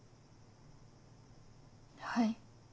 はい。